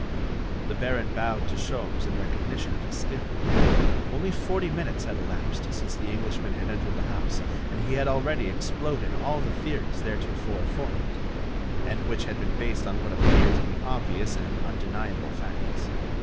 The baron bowed to Sholmes in recognition of his skill. Only forty minutes had elapsed since the Englishman had entered the house, and he had already exploded all the theories theretofore formed, and which had been based on what appeared to be obvious and undeniable facts.